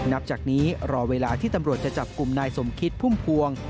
นับจากนี้รอเวลาที่ตำรวจจะจับกลุ่มนายสมคิดพุ่มพวง